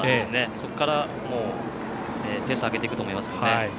そこからペースを上げていくと思います。